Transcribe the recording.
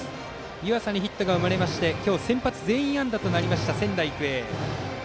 湯浅にヒットが生まれまして今日、先発全員安打となりました仙台育英。